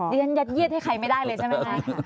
เรียนยัดเยียดให้ใครไม่ได้เลยใช่ไหมคะ